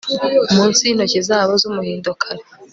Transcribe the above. Munsi yintoki zabo zumuhindo kare